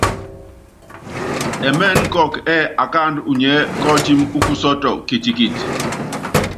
Ɛmɛ́nɛ́ kɔkɔ ɛ́ɛ́ akáandú unyiɛ́ kɔ́ɔtímí úkusɔ́tɔ kitikit.